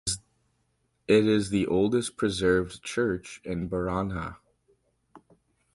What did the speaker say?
It is the oldest preserved church in Baranja.